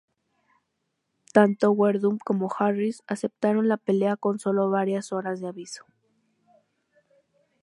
Tanto Werdum como Harris aceptaron la pelea con solo varias horas de aviso.